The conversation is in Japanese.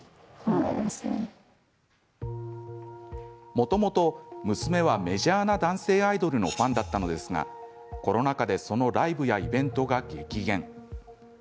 もともと娘はメジャーな男性アイドルのファンだったのですがコロナ禍でそのライブやイベントが激減。